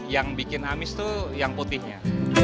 yang bikin amis itu yang putihnya